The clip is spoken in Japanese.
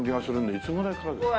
いつぐらいからですか？